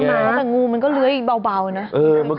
หนาวแต่งูมันก็เลื้อยเบานะ